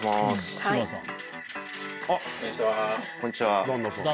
あっこんにちは。